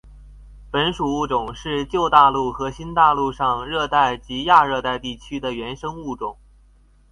本属物种是旧大陆和新大陆上热带及亚热带地区的原生物种。